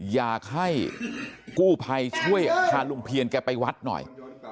อยากให้กู้ภัยช่วยพาลุงเพียนแกไปวัดหน่อย